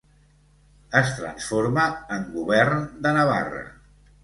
Es transforma en Govern de Navarra.